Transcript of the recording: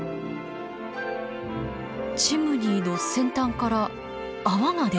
チムニーの先端から泡が出ています。